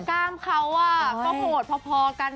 ข้าวเขาอ่ะก็โหดพอไม่เกิด